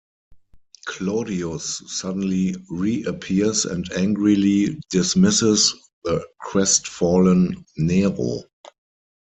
Claudius suddenly reappears and angrily dismisses the crestfallen Nero.